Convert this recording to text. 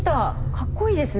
かっこいいですね。